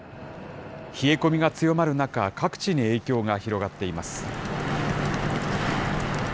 冷え込みが強まる中、各地に影響が広がっています。